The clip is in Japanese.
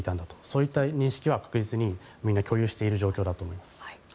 そういった認識は確実に、みんな共有している状況だと思います。